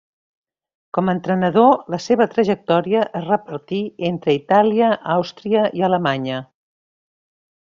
Com a entrenador, la seva trajectòria es repartí entre Itàlia, Àustria i Alemanya.